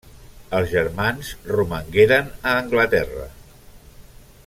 Els germans romangueren a Anglaterra.